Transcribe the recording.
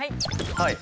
はい！